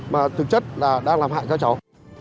mà thực chất là đang làm hại các cháu